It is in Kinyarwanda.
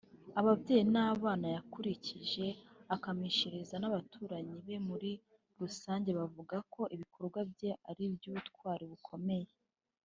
Ababyeyi b’abana Yankurije akamishiriza n’abaturanyi be muri rusange bavuga ko ibikorwa bye ari iby’ubutwari bukomeye